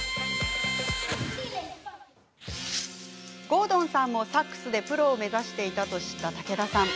郷敦さんもサックスでプロを目指していたと知った武田さん。